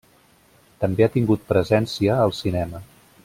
També ha tingut presència al cinema.